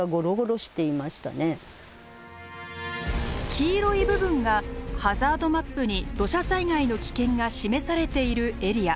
黄色い部分がハザードマップに土砂災害の危険が示されているエリア。